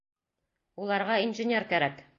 Уларға инженер кәрәк.